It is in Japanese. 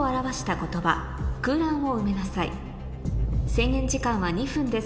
制限時間は２分です